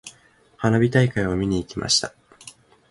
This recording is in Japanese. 花火大会を見に行きました。